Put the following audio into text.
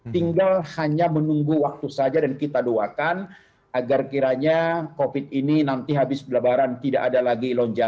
tinggal hanya menunggu waktu saja dan kita doakan agar kiranya covid ini nanti habis lebaran tidak ada lagi lonjakan